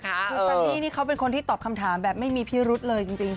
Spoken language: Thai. คือซันนี่นี่เขาเป็นคนที่ตอบคำถามแบบไม่มีพิรุษเลยจริง